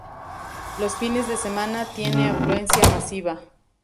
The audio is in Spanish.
Los fines de semana tiene afluencia masiva.